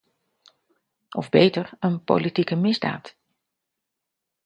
Of beter, een politieke misdaad.